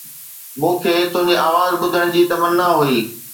مون کي تنهنجي آواز ٻڌڻ جي تمنا هئي